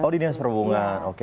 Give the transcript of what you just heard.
oh di dinas perhubungan